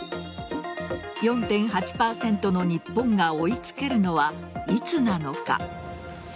４．８％の日本が追いつけるのはいつなのか。